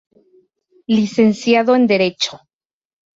Licenciado en derecho.